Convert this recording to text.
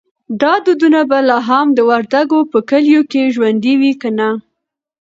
دا دودونه به لا هم د وردګو په کلیو کې ژوندی وي که نه؟